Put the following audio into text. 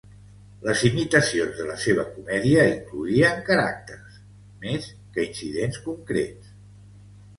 Les imitacions de la seva comèdia incloïen caràcters més que incidents concrets.